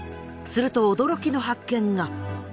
すると驚きの発見が！